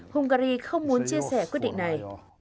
hungary không muốn chia sẻ quyết định này